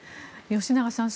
吉永さん。